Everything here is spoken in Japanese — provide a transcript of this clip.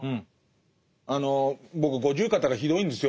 あの僕五十肩がひどいんですよ。